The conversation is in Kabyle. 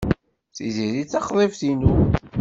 Tiziri d taxḍibt-inu.